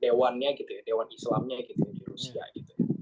dewan islamnya gitu ya dewan islamnya gitu di rusia gitu